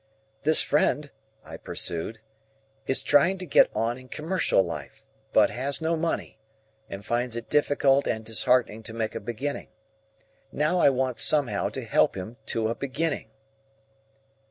"This friend," I pursued, "is trying to get on in commercial life, but has no money, and finds it difficult and disheartening to make a beginning. Now I want somehow to help him to a beginning."